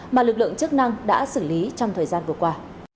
mà lực lượng chức năng đã xử lý trong thời gian vừa qua